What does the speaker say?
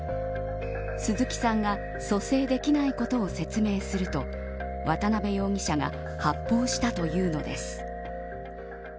鈴木さんが蘇生できないことを説明すると渡辺容疑者が発砲したというのです。